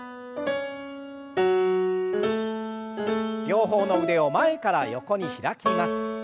両方の腕を前から横に開きます。